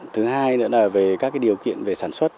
thứ hai nữa là về các điều kiện về sản xuất